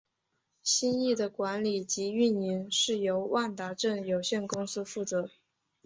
新翼的管理及营运是由万达镇有限公司负责。